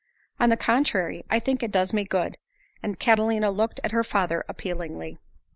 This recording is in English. "On the contrary, I think it does me good." And Catalina looked at her father appealingly.